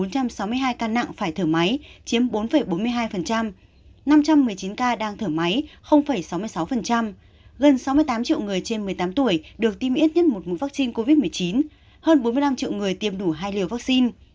bốn trăm sáu mươi hai ca nặng phải thở máy chiếm bốn bốn mươi hai năm trăm một mươi chín ca đang thở máy sáu mươi sáu gần sáu mươi tám triệu người trên một mươi tám tuổi được tiêm ít nhất một vaccine covid một mươi chín hơn bốn mươi năm triệu người tiêm đủ hai liều vaccine